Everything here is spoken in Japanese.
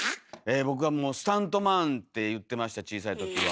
僕はもうスタントマンって言ってました小さいときは。